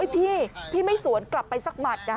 พี่พี่ไม่สวนกลับไปสักหมัด